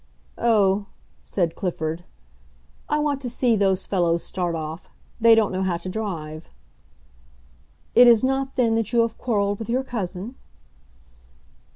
"Oh," said Clifford, "I want to see those fellows start off. They don't know how to drive." "It is not, then, that you have quarreled with your cousin?"